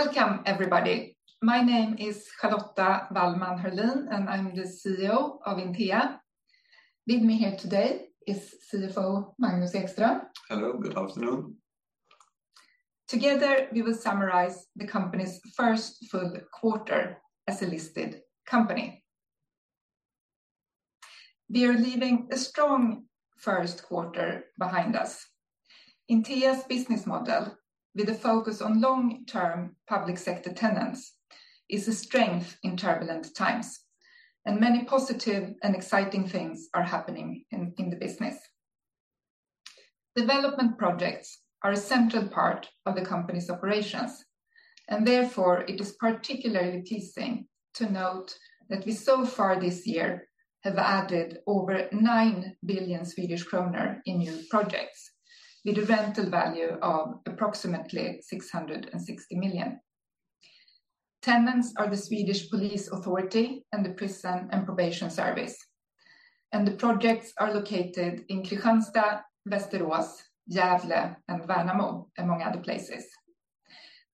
Welcome, everybody. My name is Charlotta Wallman Hörlin, and I'm the CEO of Intea. With me here today is CFO Magnus Ekström. Hello, good afternoon. Together, we will summarize the company's first full quarter as a listed company. We are leaving a strong first quarter behind us. Intea's business model, with a focus on long-term public sector tenants, is a strength in turbulent times, and many positive and exciting things are happening in the business. Development projects are a central part of the company's operations, and therefore it is particularly pleasing to note that we so far this year have added over 9 billion Swedish kronor in new projects, with a rental value of approximately 660 million. Tenants are the Swedish Police Authority and the Swedish Prison and Probation Service, and the projects are located in Kristianstad, Västerås, Gävle, and Värnamo, among other places.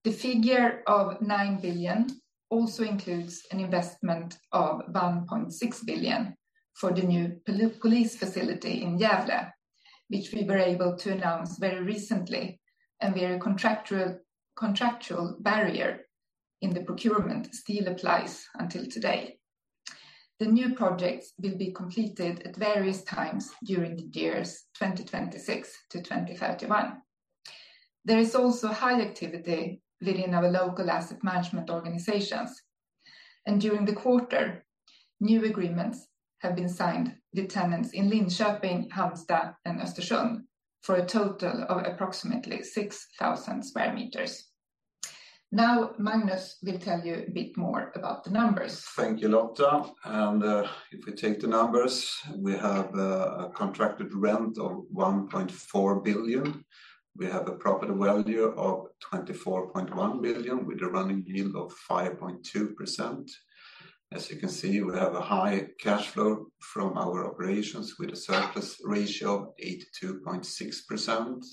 The figure of 9 billion also includes an investment of 1.6 billion for the new police facility in Gävle, which we were able to announce very recently, and where a contractual barrier in the procurement still applies until today. The new projects will be completed at various times during the years 2026 to 2031. There is also high activity within our local asset management organizations, and during the quarter, new agreements have been signed with tenants in Linköping, Halmstad, and Östersund for a total of approximately 6,000 sq m. Now, Magnus will tell you a bit more about the numbers. Thank you, Lotta. If we take the numbers, we have a contracted rent of 1.4 billion. We have a property value of 24.1 billion with a running yield of 5.2%. As you can see, we have a high cash flow from our operations with a surplus ratio of 82.6%,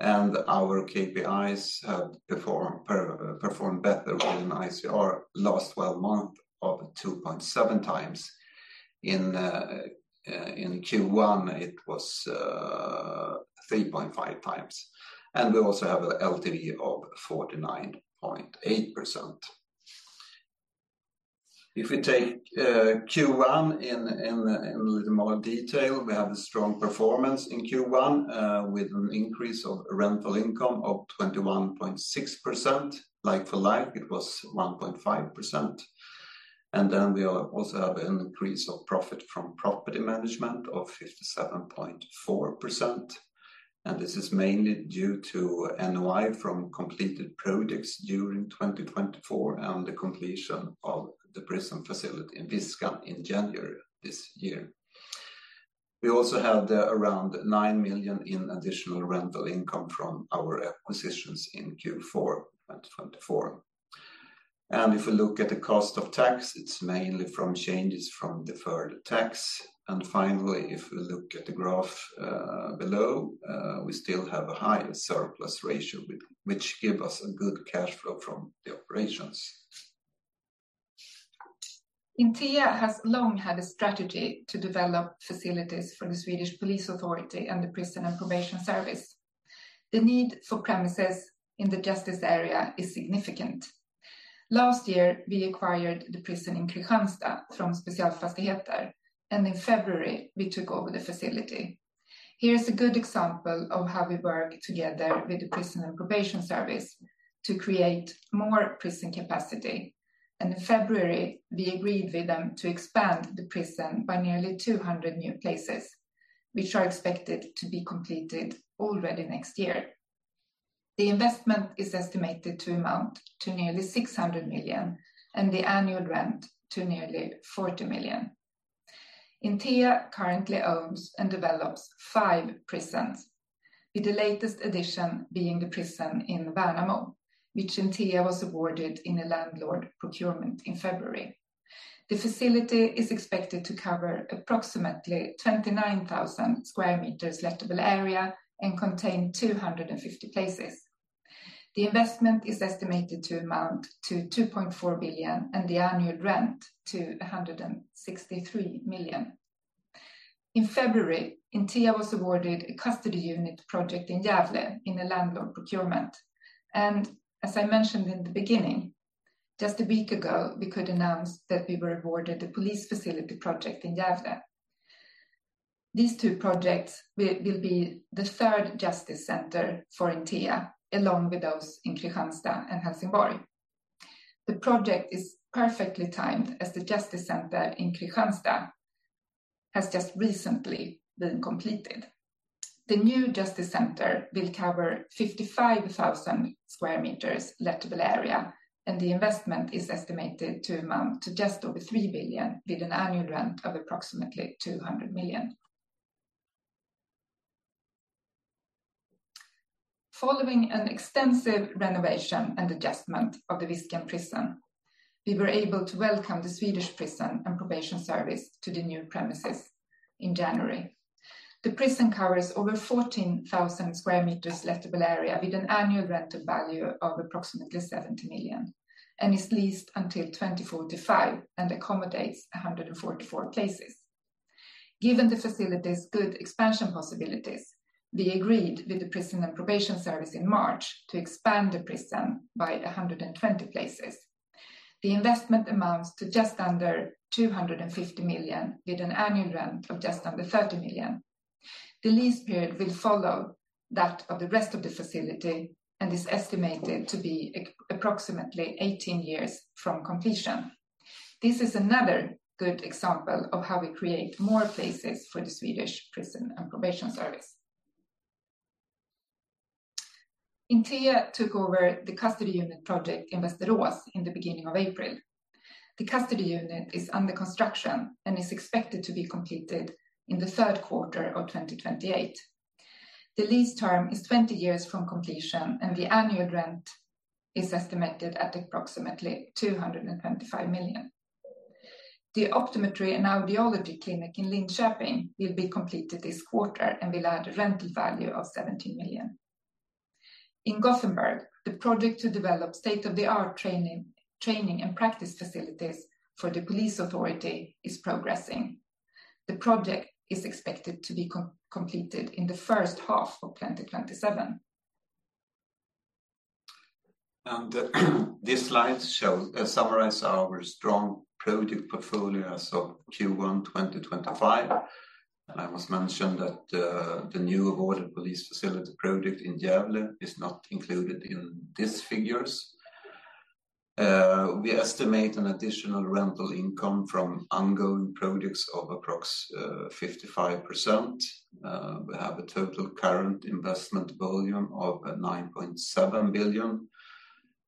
and our KPIs have performed better with ICR last 12 months of 2.7 times. In Q1, it was 3.5 times, and we also have an LTV of 49.8%. If we take Q1 in a little more detail, we have a strong performance in Q1 with an increase of rental income of 21.6%. Like for like, it was 1.5%. We also have an increase of profit from property management of 57.4%, and this is mainly due to NOI from completed projects during 2024 and the completion of the prison facility in Viskan in January this year. We also had around 9 million in additional rental income from our acquisitions in Q4 2024. If we look at the cost of tax, it is mainly from changes from deferred tax. Finally, if we look at the graph below, we still have a high surplus ratio, which gives us a good cash flow from the operations. Intea has long had a strategy to develop facilities for the Swedish Police Authority and the Prison and Probation Service. The need for premises in the justice area is significant. Last year, we acquired the prison in Kristianstad from Specialfastigheter, and in February, we took over the facility. Here's a good example of how we work together with the Prison and Probation Service to create more prison capacity, and in February, we agreed with them to expand the prison by nearly 200 new places, which are expected to be completed already next year. The investment is estimated to amount to nearly 600 million and the annual rent to nearly 40 million. Intea currently owns and develops five prisons, with the latest addition being the prison in Värnamo, which Intea was awarded in a landlord procurement in February. The facility is expected to cover approximately 29,000 sq m lettable area and contain 250 places. The investment is estimated to amount to 2.4 billion and the annual rent to 163 million. In February, Intea was awarded a custody unit project in Gävle in a landlord procurement, and as I mentioned in the beginning, just a week ago, we could announce that we were awarded the police facility project in Gävle. These two projects will be the third justice center for Intea, along with those in Kristianstad and Helsingborg. The project is perfectly timed as the justice center in Kristianstad has just recently been completed. The new justice center will cover 55,000 sq m lettable area, and the investment is estimated to amount to just over 3 billion with an annual rent of approximately 200 million. Following an extensive renovation and adjustment of the Viskan prison, we were able to welcome the Swedish Prison and Probation Service to the new premises in January. The prison covers over 14,000 sq m lettable area with an annual rental value of approximately 70 million and is leased until 2045 and accommodates 144 places. Given the facility's good expansion possibilities, we agreed with the Prison and Probation Service in March to expand the prison by 120 places. The investment amounts to just under 250 million with an annual rent of just under 30 million. The lease period will follow that of the rest of the facility and is estimated to be approximately 18 years from completion. This is another good example of how we create more places for the Swedish Prison and Probation Service. Intea took over the custody unit project in Västerås in the beginning of April. The custody unit is under construction and is expected to be completed in the third quarter of 2028. The lease term is 20 years from completion, and the annual rent is estimated at approximately 225 million. The optometry and audiology clinic in Linköping will be completed this quarter and will add a rental value of 17 million. In Gothenburg, the project to develop state-of-the-art training and practice facilities for the Police Authority is progressing. The project is expected to be completed in the first half of 2027. These slides summarize our strong project portfolios of Q1 2025. I must mention that the new awarded police facility project in Gävle is not included in these figures. We estimate an additional rental income from ongoing projects of approximately 55%. We have a total current investment volume of 9.7 billion,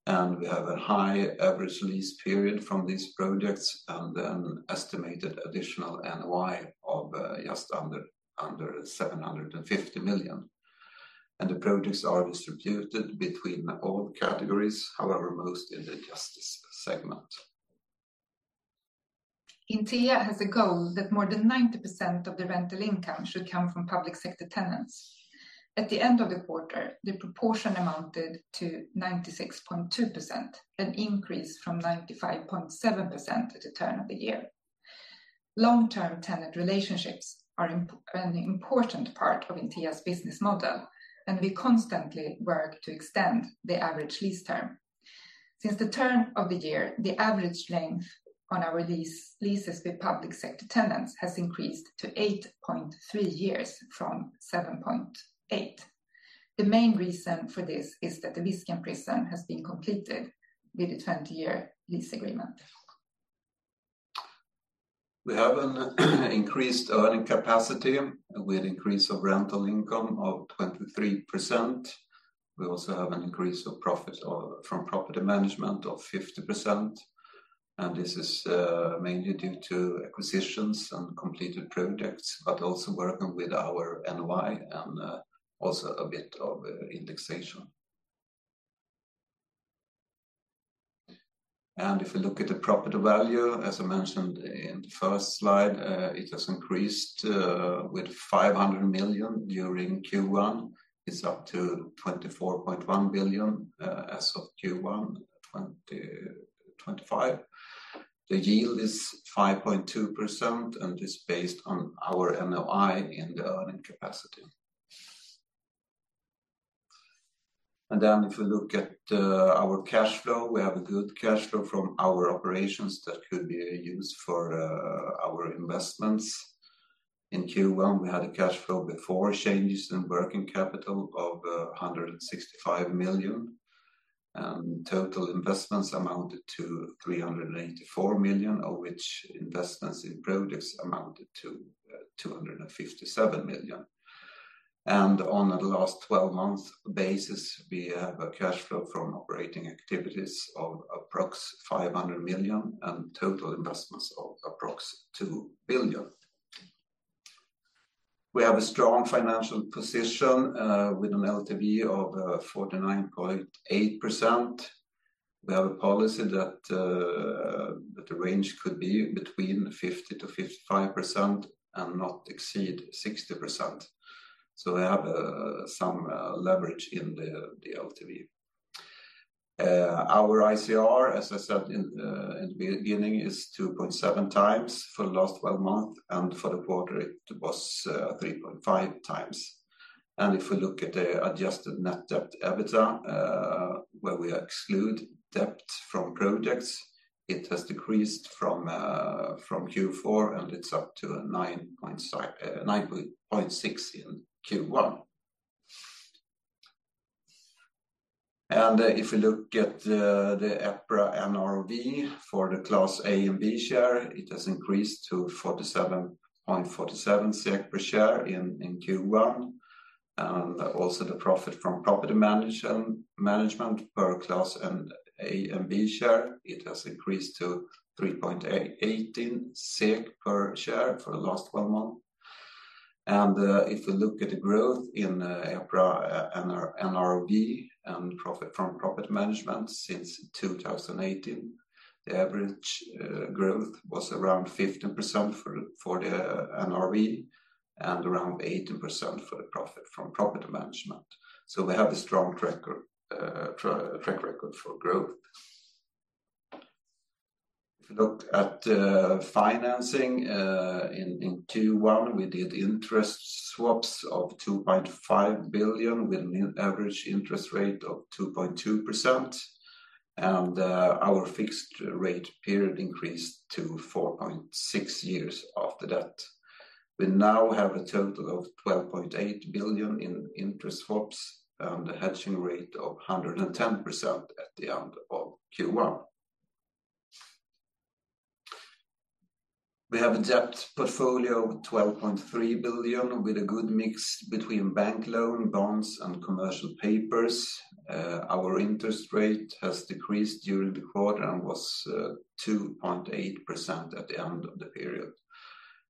and we have a high average lease period from these projects and an estimated additional NOI of just under 750 million. The projects are distributed between all categories, however, most in the justice segment. Intea has a goal that more than 90% of the rental income should come from public sector tenants. At the end of the quarter, the proportion amounted to 96.2%, an increase from 95.7% at the turn of the year. Long-term tenant relationships are an important part of Intea's business model, and we constantly work to extend the average lease term. Since the turn of the year, the average length on our leases with public sector tenants has increased to 8.3 years from 7.8. The main reason for this is that the Viskan prison has been completed with a 20-year lease agreement. We have an increased earning capacity with an increase of rental income of 23%. We also have an increase of profit from property management of 50%, and this is mainly due to acquisitions and completed projects, but also working with our NOI and also a bit of indexation. If we look at the property value, as I mentioned in the first slide, it has increased with 500 million during Q1. It is up to 24.1 billion as of Q1 2025. The yield is 5.2%, and it is based on our NOI in the earning capacity. If we look at our cash flow, we have a good cash flow from our operations that could be used for our investments. In Q1, we had a cash flow before changes in working capital of 165 million, and total investments amounted to 384 million, of which investments in projects amounted to 257 million. On a last 12-month basis, we have a cash flow from operating activities of approximately 500 million and total investments of approximately SEK 2 billion. We have a strong financial position with an LTV of 49.8%. We have a policy that the range could be between 50%-55% and not exceed 60%. We have some leverage in the LTV. Our ICR, as I said in the beginning, is 2.7 times for the last 12 months, and for the quarter, it was 3.5 times. If we look at the adjusted net debt EBITDA, where we exclude debt from projects, it has decreased from Q4, and it is up to 9.6 in Q1. If we look at the EPRA NRV for the Class A and B share, it has increased to 47.47 per share in Q1. Also, the profit from property management per Class A and B share has increased to 3.18 per share for the last 12 months. If we look at the growth in EPRA NRV and profit from property management since 2018, the average growth was around 15% for the NRV and around 18% for the profit from property management. We have a strong track record for growth. If we look at financing in Q1, we did interest swaps of 2.5 billion with an average interest rate of 2.2%, and our fixed rate period increased to 4.6 years after that. We now have a total of 12.8 billion in interest swaps and a hedging rate of 110% at the end of Q1. We have a debt portfolio of 12.3 billion with a good mix between bank loans, bonds, and commercial papers. Our interest rate has decreased during the quarter and was 2.8% at the end of the period.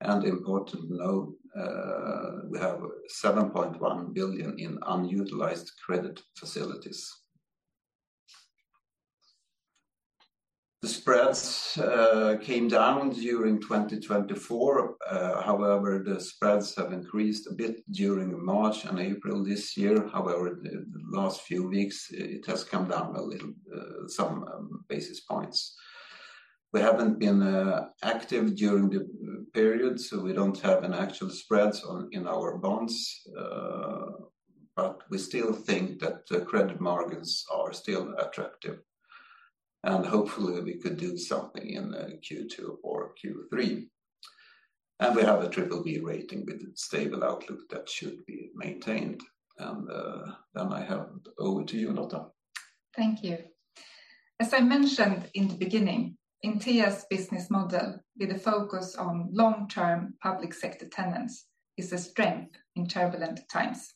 It is important to note, we have 7.1 billion in unutilized credit facilities. The spreads came down during 2024. However, the spreads have increased a bit during March and April this year. In the last few weeks, it has come down a little, some basis points. We have not been active during the period, so we do not have an actual spread in our bonds, but we still think that the credit margins are still attractive. Hopefully, we could do something in Q2 or Q3. We have a BBB rating with a stable outlook that should be maintained. I hand over to you, Charlotta. Thank you. As I mentioned in the beginning, Intea's business model with a focus on long-term public sector tenants is a strength in turbulent times.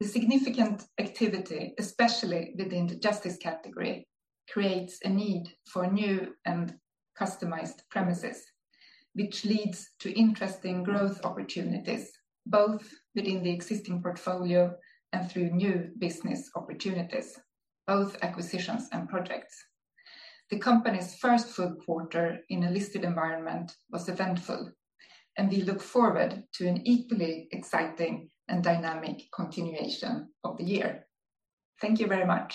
The significant activity, especially within the justice category, creates a need for new and customized premises, which leads to interesting growth opportunities, both within the existing portfolio and through new business opportunities, both acquisitions and projects. The company's first full quarter in a listed environment was eventful, and we look forward to an equally exciting and dynamic continuation of the year. Thank you very much.